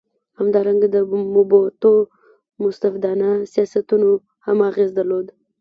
همدارنګه د موبوټو مستبدانه سیاستونو هم اغېز درلود.